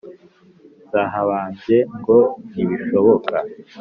Zahabambye ngo ntibishoboka